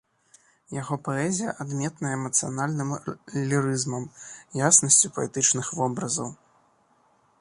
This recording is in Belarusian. Яго паэзія адметная эмацыянальным лірызмам, яснасцю паэтычных вобразаў.